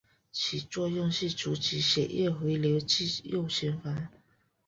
其作用是阻止血液回流至右心房。